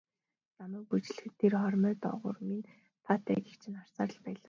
Намайг бүжиглэхэд тэр хормой доогуур минь таатай гэгч нь харсаар л байлаа.